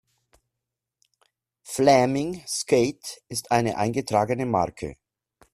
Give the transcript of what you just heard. Flaeming-Skate ist eine eingetragene Marke.